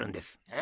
え？